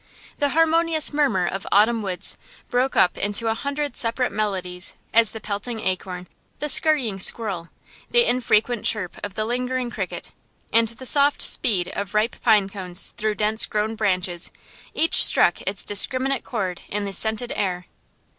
The harmonious murmur of autumn woods broke up into a hundred separate melodies, as the pelting acorn, the scurrying squirrel, the infrequent chirp of the lingering cricket, and the soft speed of ripe pine cones through dense grown branches, each struck its discriminate chord in the scented air.